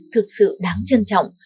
thực sự đáng trân trọng